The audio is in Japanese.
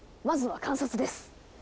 まずは観察です！